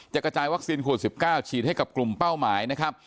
กระจายวัคซีนขวด๑๙ฉีดให้กับกลุ่มเป้าหมายนะครับ